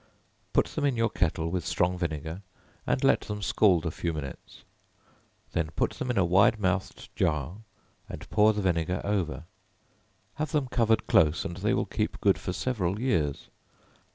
Put them in your kettle with strong vinegar, and let them scald a few minutes; then put them in a wide mouthed jar, and pour the vinegar over; have them covered close, and they will keep good for several years.